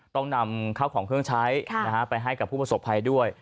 ต้องนำข้าวของเครื่องใช้ไปให้กับผู้ประสบภัยด้วย